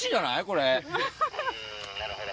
なるほど。